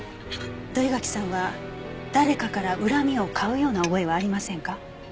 土居垣さんは誰かから恨みを買うような覚えはありませんか？